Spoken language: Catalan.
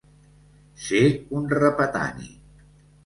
Ser un repatani.